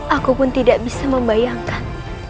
aku pun tidak bisa membayangkan